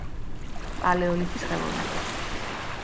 პალეოლითის "ხელოვნება"